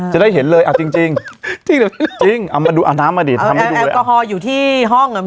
จะได้เห็นเลยอ่ะจริงเอาไหนมาดิเอลกอฮอล์อยู่ที่ห้อง